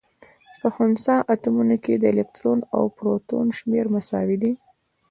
په خنثا اتومونو کي د الکترون او پروتون شمېر مساوي. دی